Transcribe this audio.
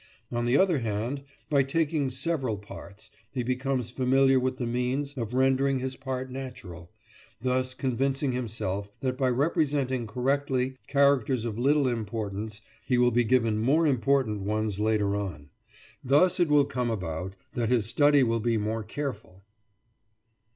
On the other hand, by taking several parts, he becomes familiar with the means of rendering his part natural, thus convincing himself that by representing correctly characters of little importance, he will be given more important ones later on. Thus it will come about that his study will be more careful.